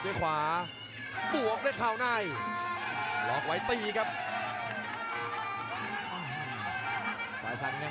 จังหวาดึงซ้ายตายังดีอยู่ครับเพชรมงคล